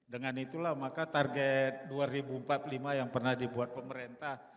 dengan itulah maka target dua ribu empat puluh lima yang pernah dibuat pemerintah